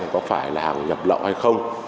có phải là hàng nhập lậu hay không